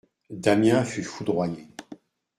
Damiens fut foudroyé.